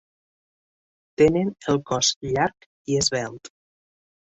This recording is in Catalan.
Tenen el cos llarg i esvelt.